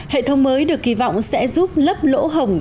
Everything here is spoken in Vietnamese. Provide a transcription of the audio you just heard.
hệ thống mới được kỳ vọng sẽ giúp lấp lỗ hồng